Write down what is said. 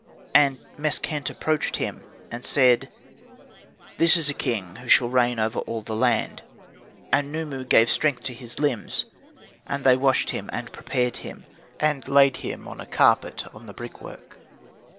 And Meskhent approached him and said, "This is a king who shall reign over all the land." And Khnumu gave strength to his limbs. And they washed him, and prepared him, and layed him on a carpet on the brickwork.